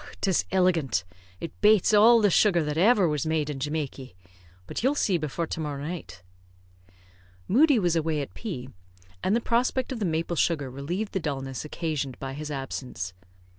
'tis illigant. It bates all the sugar that ever was made in Jamaky. But you'll see before to morrow night." Moodie was away at P , and the prospect of the maple sugar relieved the dulness occasioned by his absence.